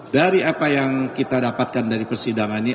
dari apa yang kita dapatkan dari persidangan ini